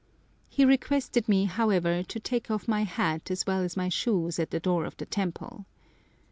He requested me, however, to take off my hat as well as my shoes at the door of the temple.